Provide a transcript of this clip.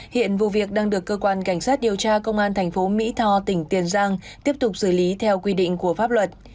hiện vụ việc đang được cơ quan cảnh sát điều tra công an thành phố mỹ tho tỉnh tiền giang tiếp tục xử lý theo quy định của pháp luật